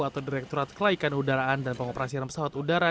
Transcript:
atau direkturat kelaikan udaraan dan pengoperasian pesawat udara